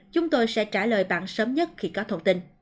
chúng tôi sẽ trả lời bạn sớm nhất khi có thông tin